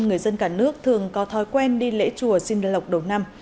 người dân cả nước thường có thói quen đi lễ chùa xin lọc đầu năm